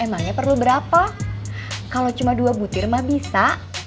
emangnya perlu berapa kalau cuma dua butir mah bisa